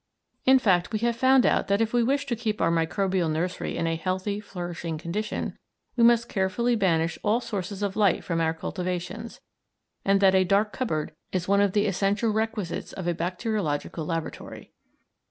In fact, we have found out that if we wish to keep our microbial nursery in a healthy, flourishing condition, we must carefully banish all sources of light from our cultivations, and that a dark cupboard is one of the essential requisites of a bacteriological laboratory.